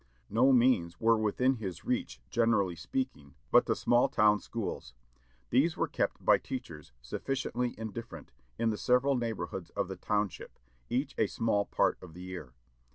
No means were within his reach, generally speaking, but the small town schools. These were kept by teachers, sufficiently indifferent, in the several neighborhoods of the township, each a small part of the year.